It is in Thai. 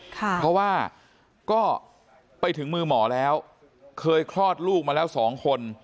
เพราะว่าก็ไปถึงมือหมอแล้วเคยคลอดลูกมาแล้วสองคน